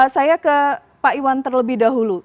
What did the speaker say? saya ke pak iwan terlebih dahulu